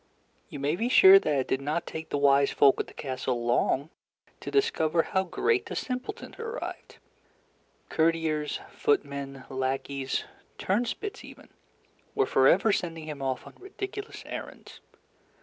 You may be sure that it did not take the wise folk at the castle long to discover how great a simpleton had arrived. Courtiers, footmen, lackeys, turnspits even, were forever sending him off on ridiculous errands.